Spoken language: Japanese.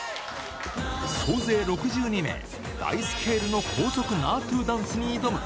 総勢６２名、大スケールの高速ナートゥダンスに挑む。